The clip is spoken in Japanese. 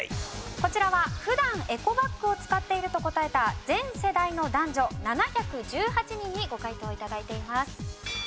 こちらは普段エコバッグを使っていると答えた全世代の男女７１８人にご回答頂いています。